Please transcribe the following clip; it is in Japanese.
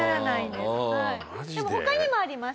でも他にもあります。